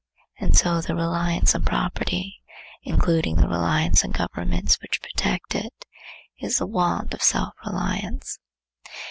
And so the reliance on Property, including the reliance on governments which protect it, is the want of self reliance.